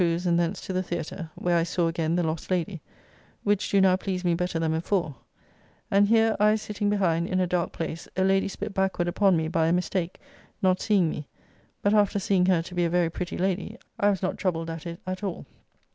] I went to Mr. Crew's and thence to the Theatre, where I saw again "The Lost Lady," which do now please me better than before; and here I sitting behind in a dark place, a lady spit backward upon me by a mistake, not seeing me, but after seeing her to be a very pretty lady, I was not troubled at it at all.